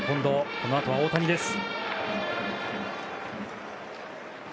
そのあとは大谷です。